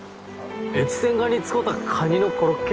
越前ガニ使うたカニのコロッケ